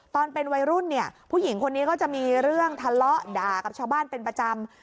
ตอนเป็นวัยรุ่นเนี่ยผู้หญิงคนนี้ก็จะมีเรื่องทะเลาะด่ากับชาวบ้านเป็นประจำ